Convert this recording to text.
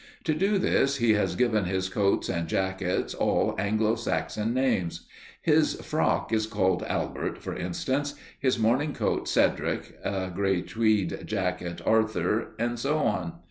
To do this, he has given his coats and jackets all Anglo Saxon names. His frock is called Albert, for instance, his morning coat Cedric, a grey tweed jacket, Arthur, and so on.